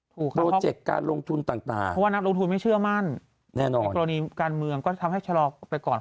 โปรเจกต์การลงทุนต่างเพราะว่านักลงทุนไม่เชื่อมั่นแน่นอนในกรณีการเมืองก็ทำให้ชะลอไปก่อน